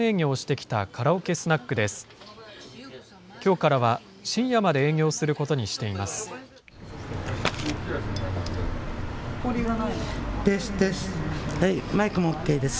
きょうからは深夜まで営業することにしています。